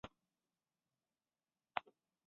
普遍被称为町村派。